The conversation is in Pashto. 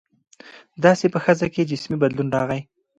داسې په ښځه کې جسمي بدلون راغى.